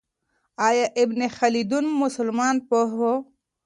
آیا ابن خلدون مسلمان پوه و؟